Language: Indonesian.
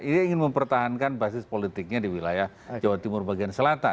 dia ingin mempertahankan basis politiknya di wilayah jawa timur bagian selatan